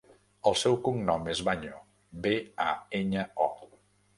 El seu cognom és Baño: be, a, enya, o.